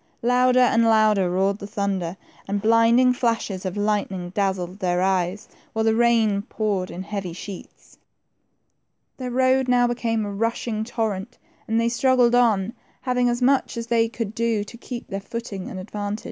Louder and louder roared the thunder, and blinding flashes of lightning dazzled their eyes, while the rain poured in heavy sheets. Their road now became a rushing torrent, and they struggled on, having as much as they could do to keep . their footing, and advance.